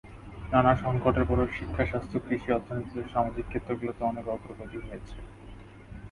নানা সংকটের পরও শিক্ষা, স্বাস্থ্য, কৃষি, অর্থনীতিসহ সামাজিক ক্ষেত্রগুলোতে অনেক অগ্রগতি হয়েছে।